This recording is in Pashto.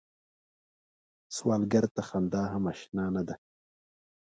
سوالګر ته خندا هم اشنا نه ده